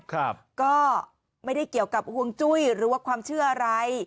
ครับก็ไม่ได้เกี่ยวกับห่วงจุ้ยหรือว่าความเชื่ออะไร